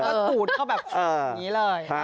ก็สูดเข้าแบบอย่างนี้เลย